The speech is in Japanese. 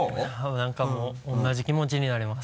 なんかもう同じ気持ちになります。